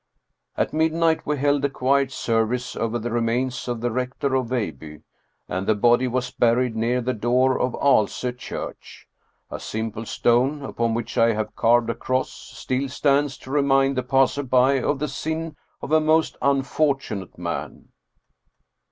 At midnight we held a quiet service over the remains of the Rector of Veilbye, and the body was buried near the door of Aalso church. A simple stone, upon which I have carved a cross, still stands to remind the passer by of the sin of a most unfortunate man.